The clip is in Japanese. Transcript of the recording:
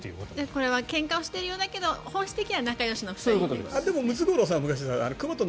これはけんかをしているようだけど本質的には仲よしだと。